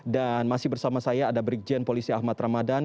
dan masih bersama saya ada brigjen polisi ahmad ramadhan